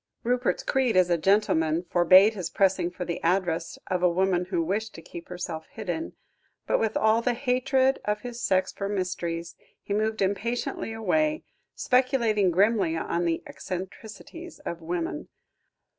Rupert's creed as a gentleman forbade his pressing for the address of a woman who wished to keep herself hidden, but with all the hatred of his sex for mysteries, he moved impatiently away, speculating grimly on the eccentricities of women.